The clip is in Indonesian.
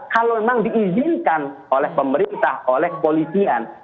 kalau memang diizinkan oleh pemerintah oleh polisian